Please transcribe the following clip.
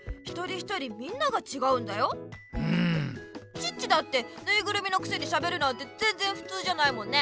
チッチだってぬいぐるみのくせにしゃべるなんてぜんぜんふつうじゃないもんね。